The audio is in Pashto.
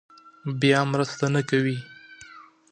بیا مرسته نه کوي.